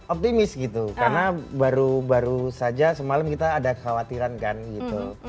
optimis gitu karena baru saja semalam kita ada kekhawatiran kan gitu